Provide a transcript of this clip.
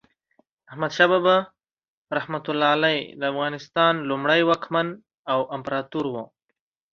احمد شاه بابا رحمة الله علیه د افغانستان لومړی واکمن او امپراتور و.